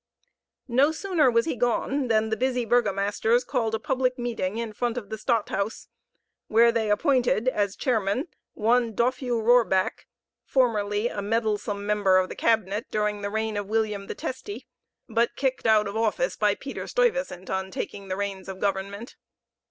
No sooner was he gone than the busy burgomasters called a public meeting in front of the stadthouse, where they appointed as chairman one Dofue Roerback, formerly a meddlesome member of the cabinet during the reign of William the Testy, but kicked out of office by Peter Stuyvesant on taking the reins of government.